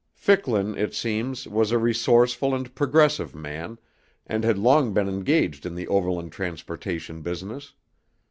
Ficklin, it seems, was a resourceful and progressive man, and had long been engaged in the overland transportation business.